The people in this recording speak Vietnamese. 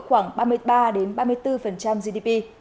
khoảng ba mươi ba ba mươi bốn gdp